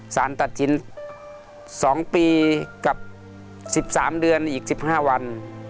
สารตัดสิน๒ปีกับ๑๓เดือนอีก๑๕วัน